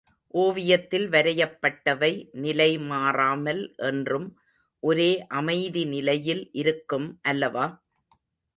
ஓவியத்தில் வரையப்பட்டவை, நிலை மாறாமல் என்றும் ஒரே அமைதி நிலையில் இருக்கும் அல்லவா?